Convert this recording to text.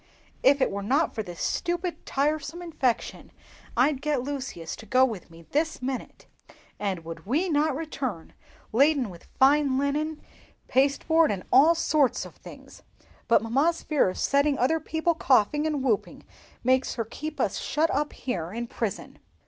"If it were not for this stupid, tiresome infection, I'd get Lucius to go with me this minute, and would we not return laden with linen, pasteboard, and all sorts of things! But mamma's fear of setting other people coughing and whooping makes her keep us shut up here in prison."